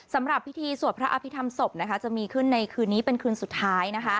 สำหรับพิธีสวดพระอภิษฐรรมศพจะมีขึ้นในคืนนี้เป็นคืนสุดท้าย